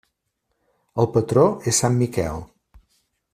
El patró és Sant Miquel.